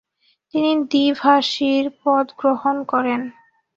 তিনি দ্বিভাষীর পদ গ্রহণ করেন।